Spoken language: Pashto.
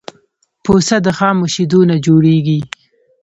پوڅه د خامو شیدونه جوړیږی.